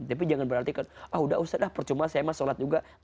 tapi jangan berarti kan ah udah usah dah percuma saya mah sholat juga